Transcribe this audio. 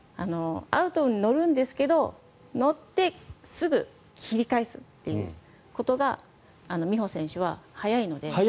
アウトに乗るんですけど乗ってすぐ切り返すということが美帆選手は早いので。